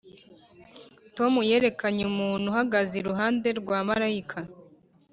tom yerekanye umuntu uhagaze iruhande rwa mariya.